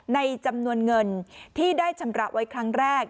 ในจำนวนเงินที่ได้ชำระไว้ครั้งแรก